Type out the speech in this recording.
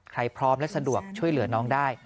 พร้อมและสะดวกช่วยเหลือน้องได้